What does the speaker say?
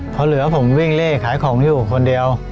พอเหลือผมวิ่งเล่ขายของอยู่คนเดียว